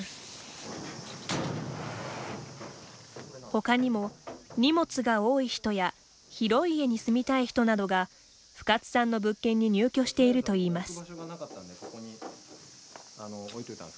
ほかにも荷物が多い人や広い家に住みたい人などが深津さんの物件に入居しているといいます。